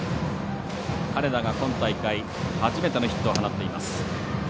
金田が今大会初めてのヒットを放っています。